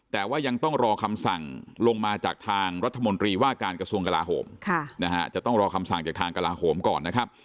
แต่ว่ายังต้องรอคำสั่งลงมาจากทางรัฐมนตรีว่าการกระทรวงกลาโหมจะต้องรอคำสั่งจากทางกลาโหมก่อนนะครับ